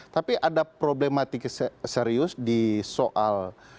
tapi ada problematik serius di soal